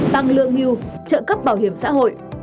tăng lương hưu trợ cấp bảo hiểm xã hội